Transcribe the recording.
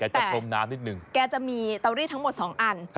แต่มีตะวรีดทั้งหมด๒อัน